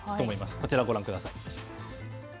こちらご覧ください。